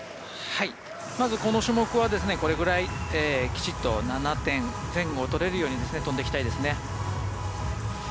まずこの種目はこれくらいきちんと７点前後を取れるように飛んでいきたいですね。